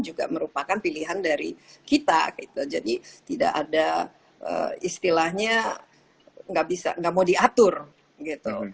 juga merupakan pilihan dari kita gitu jadi tidak ada istilahnya nggak bisa nggak mau diatur gitu